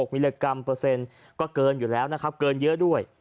มิลลิกรัมเปอร์เซ็นต์ก็เกินอยู่แล้วนะครับเกินเยอะด้วย